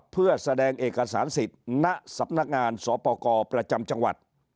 เพื่อแสดงเอกสารสิทธิ์ณสำนักงานสปกรประจำจังหวัด